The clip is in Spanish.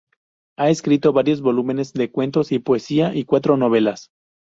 Ha escrito varios volúmenes de cuentos y poesía, y cuatro novelas.